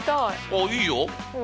ああいいよ？